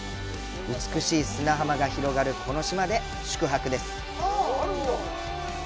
美しい砂浜が広がるこの島で宿泊です。